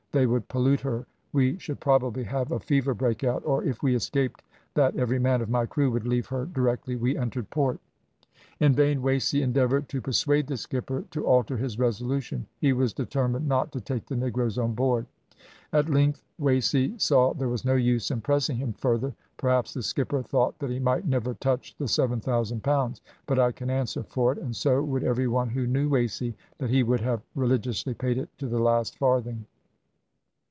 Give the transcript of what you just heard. They would pollute her, we should probably have a fever break out, or if we escaped that every man of my crew would leave her directly we entered port.' "In vain Wasey endeavoured to persuade the skipper to alter his resolution; he was determined not to take the negroes on board. "At length Wasey saw there was no use in pressing him further. Perhaps the skipper thought that he might never touch the 7000 pounds, but I can answer for it, and so would every one who knew Wasey, that he would have religiously paid it to the last farthing.